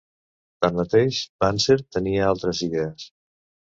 Tanmateix, Banzer tenia altres idees.